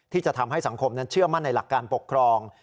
ที่จะทำให้สังคมนั้นเชื่อมั่นในหลักการปกครอง